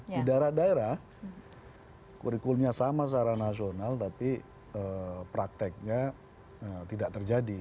di daerah daerah kurikulumnya sama secara nasional tapi prakteknya tidak terjadi